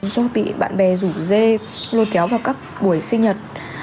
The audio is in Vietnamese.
do bị bạn bè rủ dê lôi kéo vào các buổi sinh nhật